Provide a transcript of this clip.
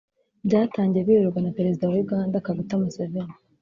byatangiye biyoborwa na Perezida wa Uganda Kaguta Museveni